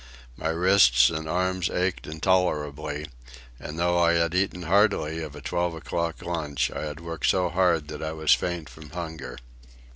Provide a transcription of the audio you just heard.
My wrists and arms ached intolerably, and though I had eaten heartily of a twelve o'clock lunch, I had worked so hard that I was faint from hunger.